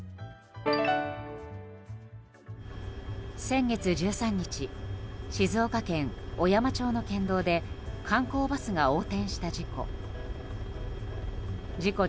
先月１３日静岡県小山町の県道で観光バスが横転した事故。